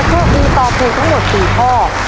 ถ้าตอบถูกทั้งหมด๔ข้อ